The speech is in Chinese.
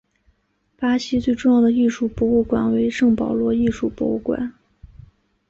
巴西最重要的艺术博物馆为圣保罗艺术博物馆。